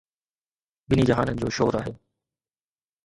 ٻنھي جھانن جو شور آھي